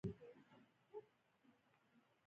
قرض حسنه خیر ګڼل کېږي.